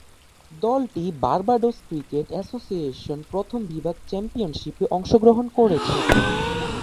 দলটি Barbados cricket association প্রথম বিভাগ চ্যাম্পিয়নশীপে অংশগ্রহণ করছে।